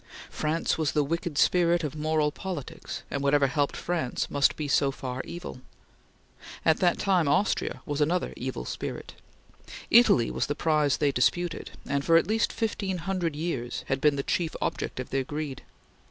France was the wicked spirit of moral politics, and whatever helped France must be so far evil. At that time Austria was another evil spirit. Italy was the prize they disputed, and for at least fifteen hundred years had been the chief object of their greed.